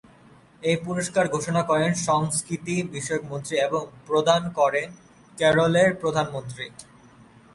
এই পুরস্কার ঘোষণা করেন সংস্কৃতি বিষয়ক মন্ত্রী এবং প্রদান করেন কেরলের প্রধানমন্ত্রী।